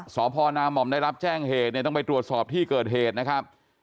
สพนาม่อมได้รับแจ้งเหตุเนี่ยต้องไปตรวจสอบที่เกิดเหตุนะครับ